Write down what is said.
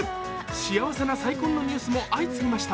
幸せな再婚のニュースも相次ぎました。